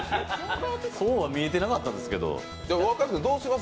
そうは見えてなかったですけど。